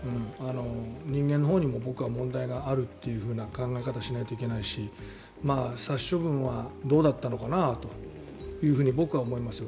人間のほうにも僕は問題があるという考え方をしないといけないと思うし殺処分はどうだったのかなと僕は思いますよ。